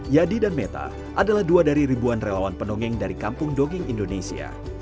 yadi dan meta adalah dua dari ribuan relawan pendongeng dari kampung dongeng indonesia